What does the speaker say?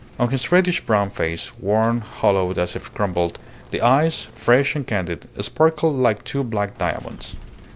On his reddish brown face, worn, hollowed as if crumbled, the eyes, fresh and candid, sparkled like two black diamonds.